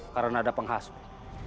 karena ada penghasut